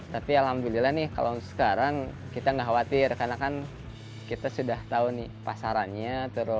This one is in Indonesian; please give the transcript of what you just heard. tapi alhamdulillah nih kalau sekarang kita nggak khawatir karena kan kita sudah tahu nih pasarannya